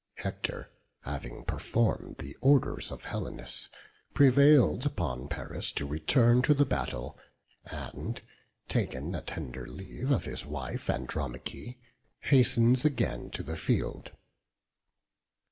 Hector, having performed the orders of Helenus, prevailed upon Paris to return to the battle, and taken a tender leave of his wife Andromache, hastens again to the field.